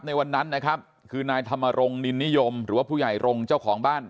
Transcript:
ในวันนั้นนะครับคือนายธรรมรงค์นินนิยมหรือว่าผู้ใหญ่รงค์เจ้าของบ้าน